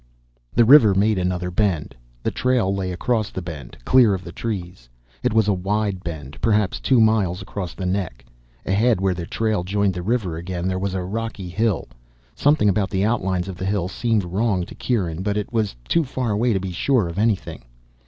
The river made another bend. The trail lay across the bend, clear of the trees. It was a wide bend, perhaps two miles across the neck. Ahead, where the trail joined the river again, there was a rocky hill. Something about the outlines of the hill seemed wrong to Kieran, but it was too far away to be sure of anything.